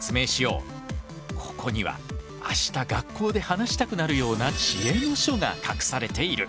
ここには明日学校で話したくなるような知恵の書が隠されている。